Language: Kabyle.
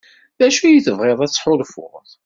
D acu ay tebɣiḍ ad t-ḥulfuɣ?